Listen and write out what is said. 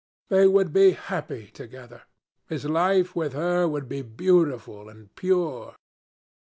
They would be happy together. His life with her would be beautiful and pure.